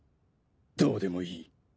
どうでもいい。